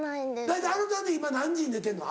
大体あのちゃんって今何時に寝てんの？